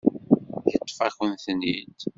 Yeṭṭef-akent-ten-id.